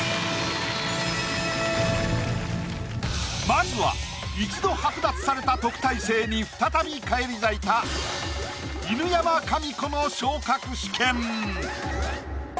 まずは一度剥奪された特待生に再び返り咲いた犬山紙子の昇格試験。